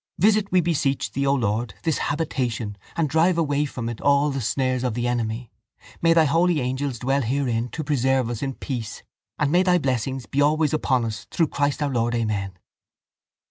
Visit, we beseech Thee, O Lord, this habitation and drive away from it all the snares of the enemy. May Thy holy angels dwell herein to preserve us in peace and may Thy blessing be always upon us through Christ our Lord. Amen.